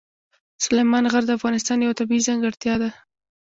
سلیمان غر د افغانستان یوه طبیعي ځانګړتیا ده.